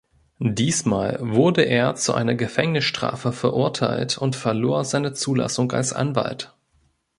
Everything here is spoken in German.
Diesmal wurde er zu einer Gefängnisstrafe verurteilt und verlor seine Zulassung als Anwalt.